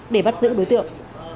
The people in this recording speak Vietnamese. để bắt giữ đối tượng